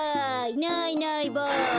いないいないばあ。